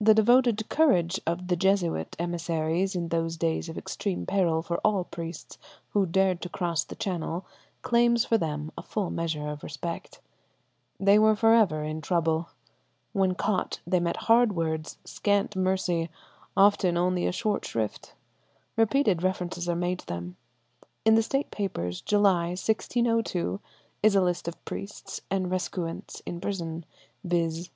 The devoted courage of the Jesuit emissaries in those days of extreme peril for all priests who dared to cross the channel claims for them a full measure of respect. They were for ever in trouble. When caught they met hard words, scant mercy, often only a short shrift. Repeated references are made to them. In the State Papers, July, 1602, is a list of priests and recusants in prison, viz.